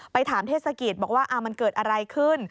ถามเทศกิจบอกว่ามันเกิดอะไรขึ้น